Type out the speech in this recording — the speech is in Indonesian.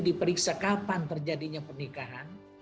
diperiksa kapan terjadinya pernikahan